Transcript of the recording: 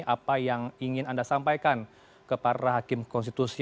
apa yang ingin anda sampaikan kepada hakim konstitusi